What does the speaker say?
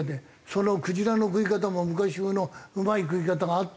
そのクジラの食い方も昔風のうまい食い方があって。